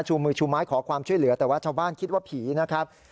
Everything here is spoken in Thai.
มือชูไม้ขอความช่วยเหลือแต่ว่าชาวบ้านคิดว่าผีนะครับ